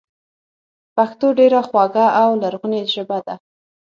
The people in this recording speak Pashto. پښتو ډېره خواږه او لرغونې ژبه ده